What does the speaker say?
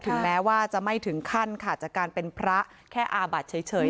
แม้ว่าจะไม่ถึงขั้นขาดจากการเป็นพระแค่อาบัติเฉย